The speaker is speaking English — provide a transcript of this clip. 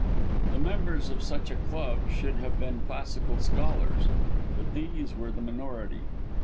The members of such a club should have been classical scholars, but these were in the minority.